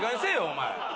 お前。